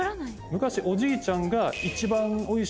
昔おじいちゃんが。